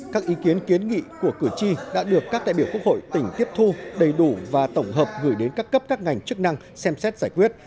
các ý kiến kiến nghị của cử tri đã được các đại biểu quốc hội tỉnh tiếp thu đầy đủ và tổng hợp gửi đến các cấp các ngành chức năng xem xét giải quyết